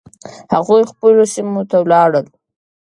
هغوی خپلو سیمو ته ولاړل.